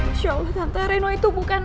masya allah tante reno itu bukan